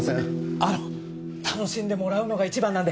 あの楽しんでもらうのが一番なんで。